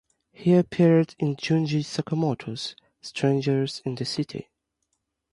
He appeared in Junji Sakamoto's "Strangers in the City".